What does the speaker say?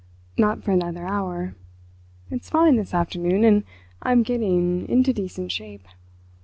"Not for another hour. It's fine this afternoon, and I'm getting into decent shape.